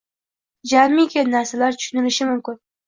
jamiyki narsalar tushunilishi mumkin.